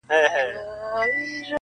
دي مــــړ ســي.